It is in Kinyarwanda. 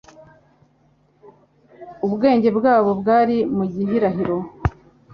Ubwenge bwabo bwari mu gihirahiro.